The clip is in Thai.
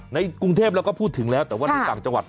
ในกรุงเทพเราก็พูดถึงแล้วแต่ว่าในต่างจังหวัด